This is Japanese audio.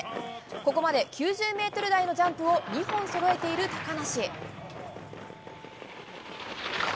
ここまで９０メートル台のジャンプを２本そろえている高梨。